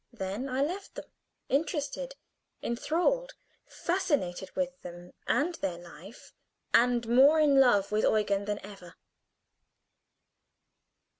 Then I left them; interested, inthralled, fascinated with them and their life, and more in love with Eugen than ever.